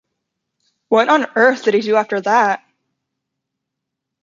What on earth did he do after that?